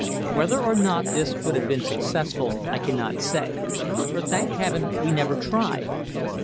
Whether or not this would have been successful I cannot say, for thank Heaven we never tried.